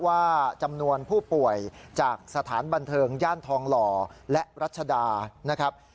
ว่าจำนวนผู้ป่วยจากสถานบันเทิงย่านทองหล่อและรัชดานะครับ